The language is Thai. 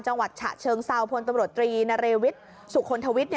จังหวัดฉะเชิงเศร้าพลตำรวจรีนเรวิทร์สุขนธวิทร์